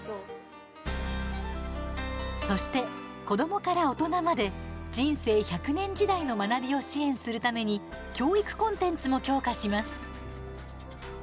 そして、子どもから大人まで人生１００年時代の学びを支援するために教育コンテンツも強化します。